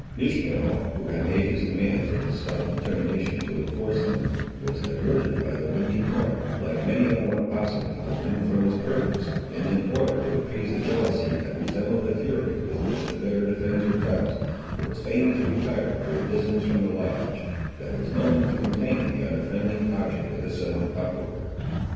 Ishmael, who had made his demands with a stout determination to enforce them, was diverted by the windy torrent, like many a more obstinate husband, from his purpose, and in order to appease a jealousy that resembled the fury with which the bear defends her cubs, was fain to retire to a distance from the lodge, that was known to contain the unoffending object of the sudden uproar.